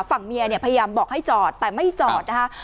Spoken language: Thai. ฝั่งเมียเนี่ยพยายามบอกให้จอดแต่ไม่จอดนะคะ